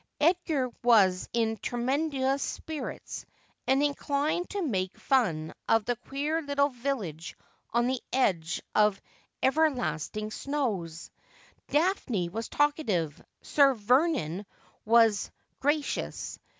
Edgar was in tremendous spirits, and inclined to make fun of the queer little village on the edge of ever lasting snows ; Daphne was talkative ; Sir Vernon was gra cious.